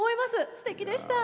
すてきでした。